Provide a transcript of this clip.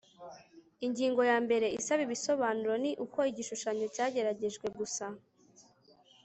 Ingingo ya mbere isaba ibisobanuro ni uko igishushanyo cyageragejwe gusa